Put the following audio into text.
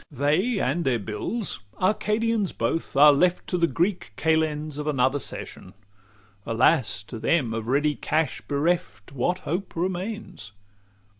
XLV They and their bills, "Arcadians both," are left To the Greek kalends of another session. Alas! to them of ready cash bereft, What hope remains?